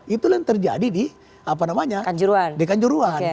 itulah yang terjadi di kanjuruan